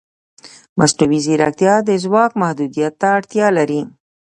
مصنوعي ځیرکتیا د ځواک محدودیت ته اړتیا لري.